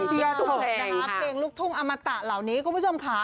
นะคะเพลงลูกทุ่งอมตะเหล่านี้คุณผู้ชมค่ะ